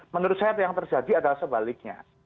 menurut saya yang terjadi adalah sebaliknya